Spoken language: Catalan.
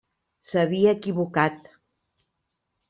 S'havia equivocat.